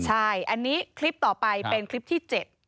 ใช่อันนี้คลิปต่อไปเป็นคลิปที่๗